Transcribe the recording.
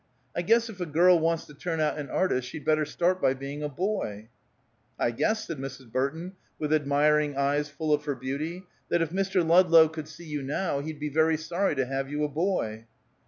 I guess if a girl wants to turn out an artist she'd better start by being a boy." "I guess," said Mrs. Burton, with admiring eyes full of her beauty, "that if Mr. Ludlow could see you now, he'd be very sorry to have you a boy!"